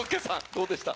どうでした？